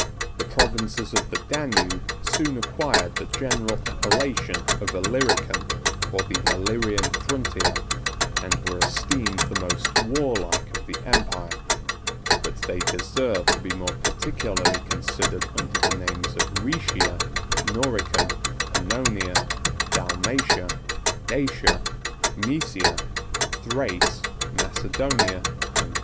78 The provinces of the Danube soon acquired the general appellation of Illyricum, or the Illyrian frontier, 79 and were esteemed the most warlike of the empire; but they deserve to be more particularly considered under the names of Rhætia, Noricum, Pannonia, Dalmatia, Dacia, Mæsia, Thrace, Macedonia, and Greece.